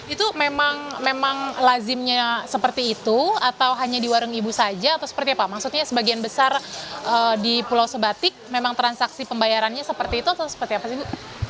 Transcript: itu memang lazimnya seperti itu atau hanya di warung ibu saja atau seperti apa maksudnya sebagian besar di pulau sebatik memang transaksi pembayarannya seperti itu atau seperti apa sih bu